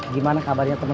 gimana kabarnya temen temen